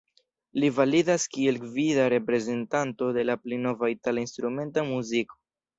Li validas kiel gvida reprezentanto de la pli nova itala instrumenta muziko.